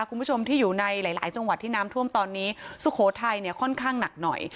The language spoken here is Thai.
คุณผู้ชมที่อยู่ในหลายจังหวัดที่น้ำท่วมตอนนี้สุโขทัยเนี่ยค่อนข้างหนักหน่อย